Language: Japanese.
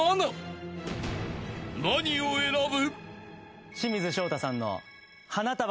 ［何を選ぶ？］